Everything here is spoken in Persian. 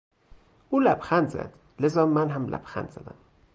او لبخند زد لذا من هم لبخند زدم.